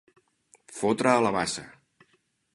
Fotre a la bassa.